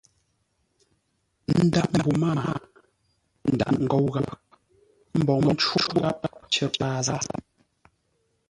N ndǎghʼ mbô mâa ndǎghʼ ńgóu gháp, mboŋə́ cóʼ gháp cər paa zâa.